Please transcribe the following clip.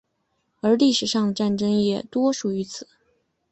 而历史上的战争也多属于此。